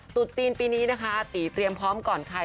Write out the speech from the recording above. จุดจีนปีนี้นะคะตีเตรียมพร้อมก่อนใคร